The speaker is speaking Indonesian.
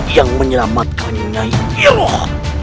yang menyelamatkan nyi iroh